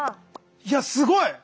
いやすごい。